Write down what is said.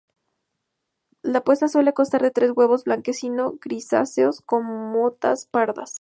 La puesta suele constar de tres huevos blanquecino grisáceos con motas pardas.